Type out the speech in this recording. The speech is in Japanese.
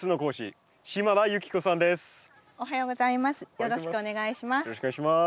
よろしくお願いします。